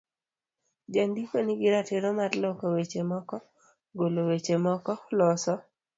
Jandiko nigi ratiro mar loko weche moko, golo weche moko, loso